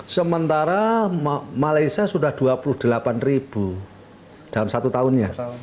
sementara malaysia sudah dua puluh delapan ribu dalam satu tahunnya